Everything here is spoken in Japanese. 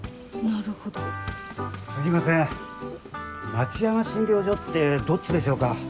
・町山診療所ってどっちでしょうか？